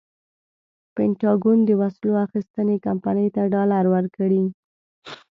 پنټاګون د وسلو اخیستنې کمپنۍ ته ډالر ورکړي.